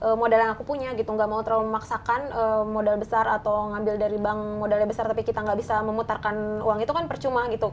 jadi modal yang aku punya gitu nggak mau terlalu memaksakan modal besar atau ngambil dari bank modalnya besar tapi kita nggak bisa memutarkan uang itu kan percuma gitu